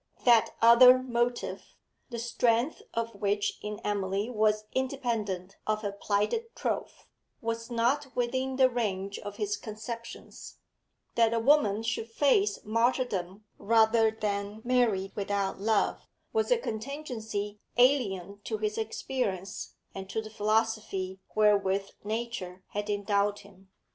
That other motive, the strength of which in Emily was independent of her plighted troth, was not within the range of his conceptions; that a woman should face martyrdom rather than marry without love was a contingency alien to his experience and to the philosophy wherewith nature had endowed him.